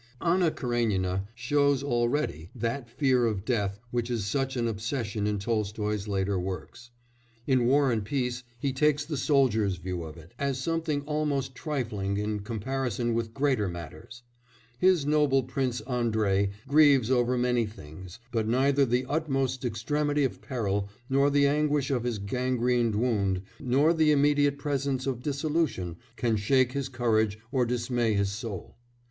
Anna Karénina shows already that fear of death which is such an obsession in Tolstoy's later works. In War and Peace, he takes the soldier's view of it, as something almost trifling in comparison with greater matters; his noble Prince Andrei grieves over many things, but neither the utmost extremity of peril, nor the anguish of his gangrened wound, nor the immediate presence of dissolution can shake his courage or dismay his soul.